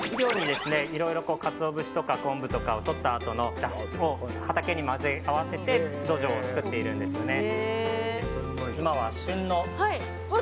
いろいろカツオ節とか昆布とかをとったあとのだしを畑に混ぜ合わせて土壌を作っているんですよね。